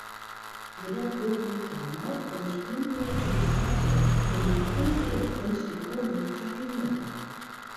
Jedoch würden „Klamauk und plumpe Zitate“ den Grusel und die Komik verhindern.